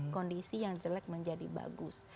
kondisi yang jelek menjadi bagus